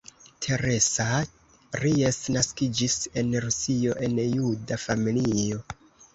Teresa Ries naskiĝis en Rusio en juda familio.